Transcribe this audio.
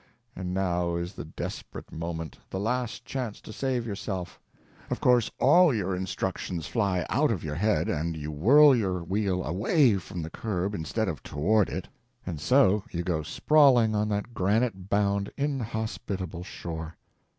And now is the desperate moment, the last chance to save yourself; of course all your instructions fly out of your head, and you whirl your wheel AWAY from the curb instead of TOWARD it, and so you go sprawling on that granite bound inhospitable shore.